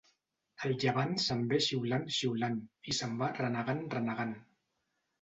El llevant se'n ve xiulant, xiulant i se'n va renegant, renegant.